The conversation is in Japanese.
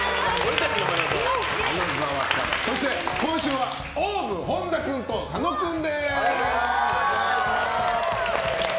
そして、今週はＯＷＶ本田君と佐野君です。